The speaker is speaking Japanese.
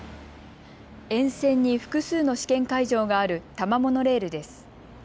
沿線に複数の試験会場がある多摩モノレールです。